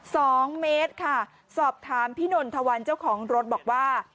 สองเมตรค่ะสอบถามพี่นนทวันเจ้าของรถบอกว่า